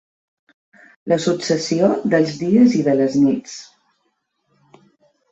La successió dels dies i de les nits.